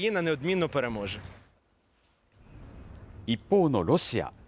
一方のロシア。